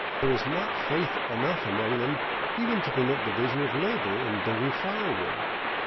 There was not faith enough among them even to permit division of labor in bringing fire wood.